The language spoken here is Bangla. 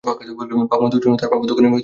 বাবা-মা দুজনেই তার বাবার দোকানে কাজ করতেন।